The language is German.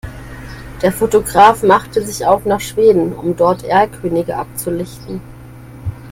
Der Fotograf machte sich auf nach Schweden, um dort Erlkönige abzulichten.